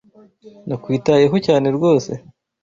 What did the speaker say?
Nakwitayeho cyane ryose .